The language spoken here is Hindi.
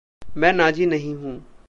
मैं नाज़ी नहीं हूँ!